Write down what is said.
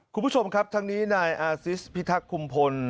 คุณผู้ชมครับทั้งนี้นายอาซิสพิทักษ์คุมพล